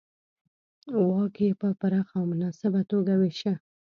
واک یې په پراخه او مناسبه توګه وېشه.